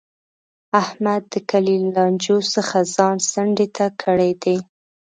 احمد د کلي له لانجو څخه ځان څنډې ته کړی دی.